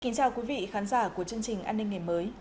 kính chào quý vị khán giả của chương trình an ninh ngày mới